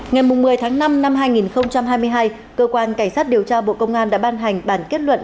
ngày một mươi tháng năm năm hai nghìn hai mươi hai cơ quan cảnh sát điều tra bộ công an đã ban hành bản kết luận